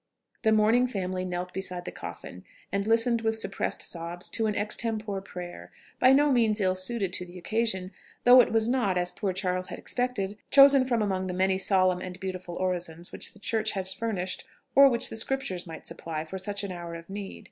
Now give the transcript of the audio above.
The mourning family knelt beside the coffin, and listened with suppressed sobs to an extempore prayer, by no means ill suited to the occasion, though it was not, as poor Charles had expected, chosen from among the many solemn and beautiful orisons which the Church has furnished or which the Scriptures might supply for such an hour of need.